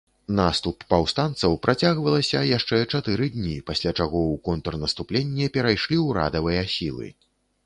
Наступ паўстанцаў працягвалася яшчэ чатыры дні, пасля чаго ў контрнаступленне перайшлі ўрадавыя сілы.